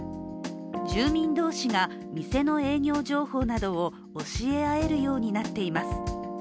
住民同士が店の営業情報などを教え合えるようになっています。